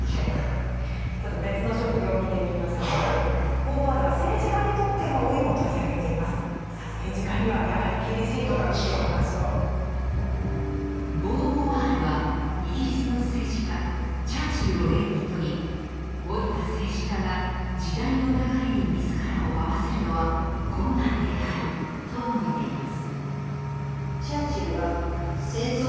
ボーヴォワールはイギリスの政治家チャーチルを例にとり老いた政治家が時代の流れに自らを合わせるのは困難であると述べています。